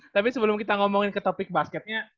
tapi sebelum kita ngomongin ke topik basketnya